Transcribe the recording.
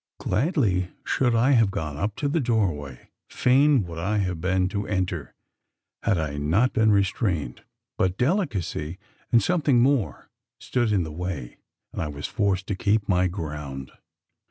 Gladly should I have gone up to the doorway fain would I have been to enter had I not been restrained; but delicacy, and something more stood in the way; and I was forced to keep my ground.